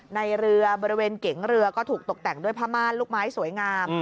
ในเรือบริเวณเก๋งเรือก็ถูกตกแต่งด้วยผ้าม่านลูกไม้สวยงาม